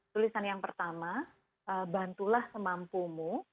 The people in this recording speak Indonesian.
tulisan yang pertama bantulah semampumu